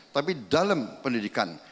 tapi dalam pendidikan